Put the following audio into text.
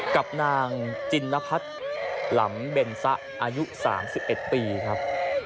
กับนางจินนพัฒน์หลำเบนซะอายุ๓๑ปีครับ